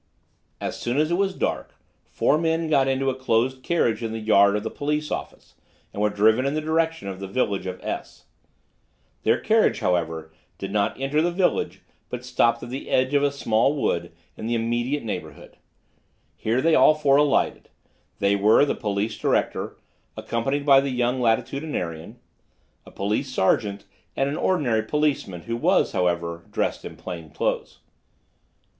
As soon as it was dark, four men got into a closed carriage in the yard of the police office, and were driven in the direction of the village of S ; their carriage, however, did not enter the village, but stopped at the edge of a small wood in the immediate neighborhood. Here they all four alighted; they were the police director, accompanied by the young Latitudinarian, a police sergeant and an ordinary policeman, who was, however, dressed in plain clothes.